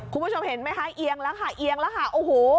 คุณผู้ชมเห็นไหมคะเอียงแล้วค่ะเอียงแล้วค่ะโอ้โห